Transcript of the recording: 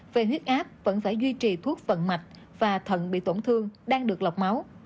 về huyết áp vẫn phải duy trì thuốc vận mạch và thận bị tổn thương đang được lọc máu